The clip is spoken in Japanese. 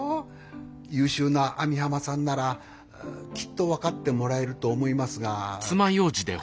優秀な網浜さんならきっと分かってもらえると思いますが。